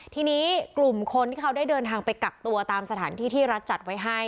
ทีนี้กลุ่มคนที่เขาได้เดินทางไปกักตัวตามสถานที่ที่รัฐจัดไว้ให้